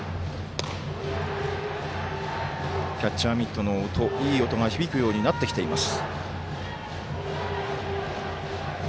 キャッチャーミットのいい音が響くようになってきています。